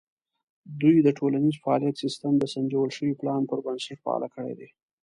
دوی د ټولنیز فعالیت سیستم د سنجول شوي پلان پر بنسټ فعال کړی دی.